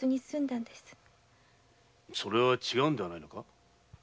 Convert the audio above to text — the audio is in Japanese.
それは違うのではないかな。